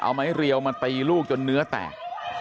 เอาไม้เรียวมาตีลูกจนเนื้อแตก